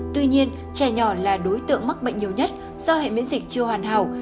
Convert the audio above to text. tuy nhiên trẻ nhỏ là đối tượng mắc bệnh nhiều nhất do hệ miễn dịch chưa hoàn hảo